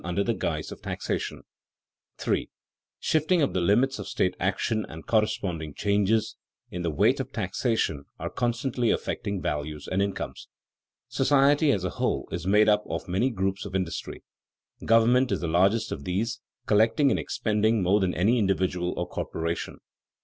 _Shifting of the limits of state action and corresponding changes in the weight of taxation are constantly affecting value and incomes._ Society as a whole is made up of many groups of industry. Government is the largest of these, collecting and expending more than any individual or corporation.